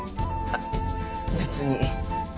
あっ別に。